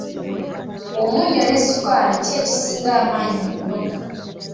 Omunnyo ne ssukaali ki ekisinza amaanyi mu kunoga?